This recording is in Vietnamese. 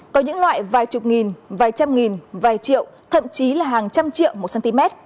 có những loại vài chục nghìn vài trăm nghìn vài triệu thậm chí là hàng trăm triệu một cm